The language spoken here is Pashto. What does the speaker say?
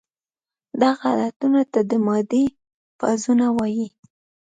دغه حالتونو ته د مادې فازونه وايي.